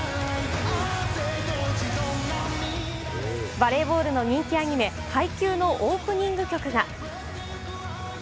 バレーボールの人気アニメ「ハイキュー！！」のオープニング曲が。